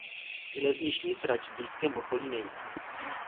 Železniční trať v blízkém okolí není.